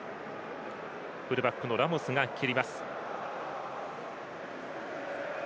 フルバックのラモスが蹴ります。